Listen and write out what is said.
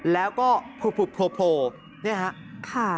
แล้วก็ผุดโผล่เนี่ยฮะ